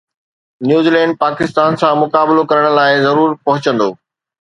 New Zealand Pakistan سان مقابلو ڪرڻ جي لاءِ ضرور پهچندو